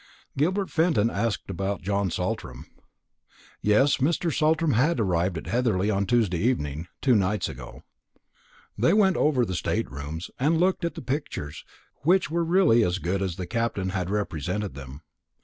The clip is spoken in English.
Gilbert Fenton asked about John Saltram. Yes, Mr. Saltram had arrived at Heatherly on Tuesday evening, two nights ago. They went over the state rooms, and looked at the pictures, which were really as good as the Captain had represented them.